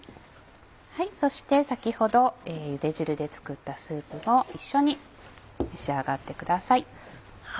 そして先ほどゆで汁で作ったスープも一緒に召し上がってください。